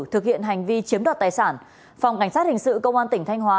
thực hiện hành vi chiếm đoạt tài sản phòng cảnh sát hình sự công an tỉnh thanh hóa